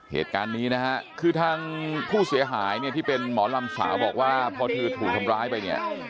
เหตุการณ์นี้นะฮะคือทางผู้เสียหายเนี่ยที่เป็นหมอลำสาวบอกว่าพอเธอถูกทำร้ายไปเนี่ย